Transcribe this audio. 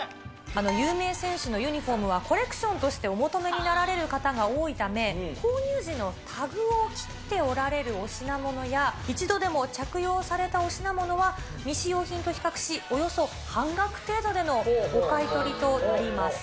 有名選手のユニホームは、コレクションとしてお求めになられる方が多いため、購入時のタグを切っておられるお品物や、一度でも着用されたお品物は、未使用品と比較し、およそ半額程度でのお買い取りとなります。